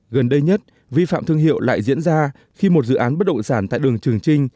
gần đây nhất vi phạm thương hiệu lại diễn ra khi một dự án bất động sản tại đường trường trinh